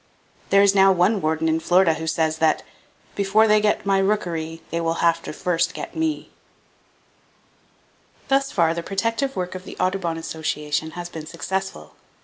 There is now one warden in Florida who says that "before they get my rookery they will first have to get me." Thus far the protective work of the Audubon Association has been successful.